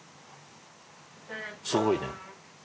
すごいね。